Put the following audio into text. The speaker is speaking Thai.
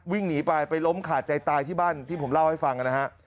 วิ่งหนีไปไปล้มขาดใจตายที่บ้านที่ผมเล่าให้ฟังนะฮะ